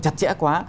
chặt chẽ quá